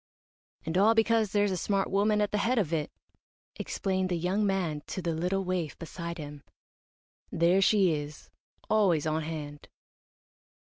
"And all because there's a smart woman at the head of it," explained the young man to the little waif beside him. "There she is always on hand."